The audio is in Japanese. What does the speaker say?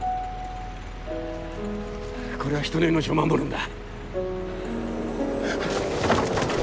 これは人の命を守るんだ。